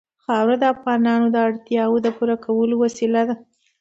خاوره د افغانانو د اړتیاوو د پوره کولو وسیله ده.